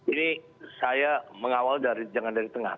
ini saya mengawal dari jangan dari tengah